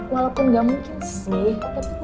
walaupun gak mungkin sih